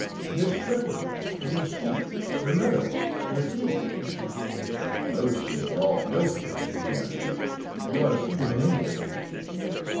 "This shepherd, these sheep, the meadow, the sea!" "Those sheep are all filthy," he answered; "you ought to see them in England."